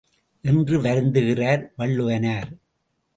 என்று வருந்துகிறார் வள்ளுவனார்.